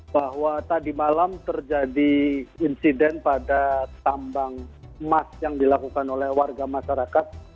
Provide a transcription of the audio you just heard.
bahwa tadi malam terjadi insiden pada tambang emas yang dilakukan oleh warga masyarakat